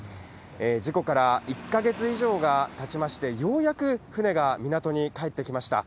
事故から１か月以上がたちまして、ようやく船が港に帰ってきました。